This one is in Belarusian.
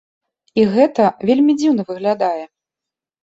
І гэта вельмі дзіўна выглядае.